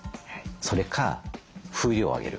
それか風量を上げる。